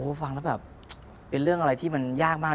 ฟังแล้วแบบเป็นเรื่องอะไรที่มันยากมาก